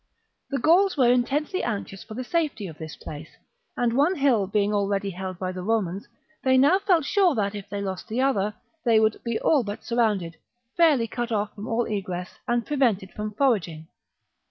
The Gauls were intensely anxious for the safety of this place ;^ and, one hill being already held by the Romans, they now felt sure that, if they lost the other, they would be all but surrounded, fairly cut off from all egress, and prevented from foraging.